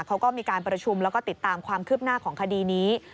เขาก็มีการประชุมแล้วก็ติดตามความคืบหน้าของคดีนี้